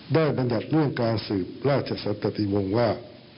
บรรยัติเรื่องการสืบราชสันตติวงว่า